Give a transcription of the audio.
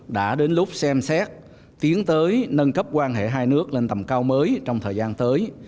đã đến lúc xem xét tiến tới nâng cấp quan hệ hai nước lên tầm cao mới trong thời gian tới